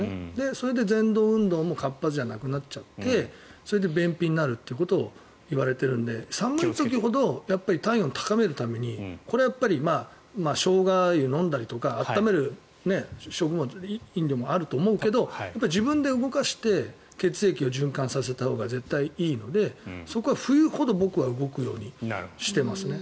それで、ぜん動運動も活発じゃなくなっちゃってそれで便秘になるということを言われているので寒い時ほど体温を高めるためにこれはやっぱりショウガ湯を飲んだりとか温める食物、飲料もあると思うけど自分で動かして血液を循環させたほうがいいのでそこは冬ほど僕は動くようにしてますね。